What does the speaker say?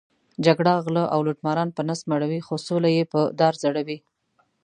جګړه غله او لوټماران په نس مړوي، خو سوله یې په دار ځړوي.